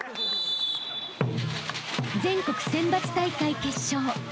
［全国選抜大会決勝］